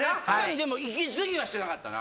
でも息つぎはしてなかったな。